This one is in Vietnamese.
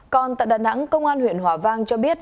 còn tại đà nẵng công an huyện hòa vang cho biết